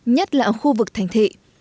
nhất là ở khu vực thành thị